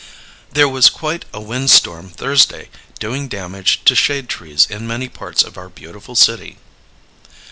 There was quite a wind storm Thursday doing damage to shade trees in many parts of our beautiful City.